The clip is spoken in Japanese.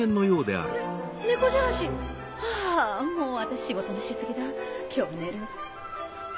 あもう私仕事のし過ぎだ今日は寝る。